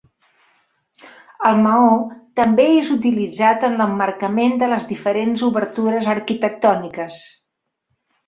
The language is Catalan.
El maó també és utilitzat en l'emmarcament de les diferents obertures arquitectòniques.